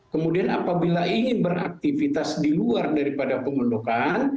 kemudian apabila ingin beraktivitas di luar daripada pengundukan